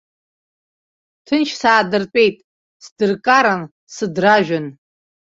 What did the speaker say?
Ҭынч саадыртәеит, сдыркаран, сыдражәын.